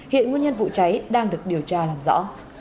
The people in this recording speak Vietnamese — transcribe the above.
hiện nguyên nhân vụ cháy đang được điều tra làm rõ